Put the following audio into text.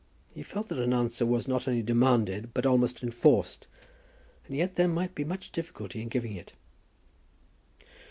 He felt that an answer was not only demanded, but almost enforced; and yet there might be much difficulty in giving it.